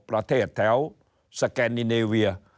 ประเทศแถวสแกนนิเนเวีย